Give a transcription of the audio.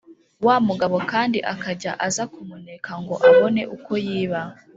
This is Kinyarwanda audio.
wa mugabo kandi akajya aza kumuneka ngo abone uko yiba